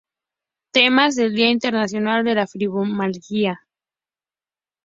Temas del Día Internacional de la Fibromialgia